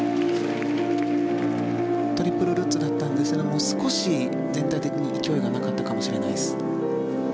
トリプルルッツだったんですが少し全体的に勢いがなかったかもしれないです。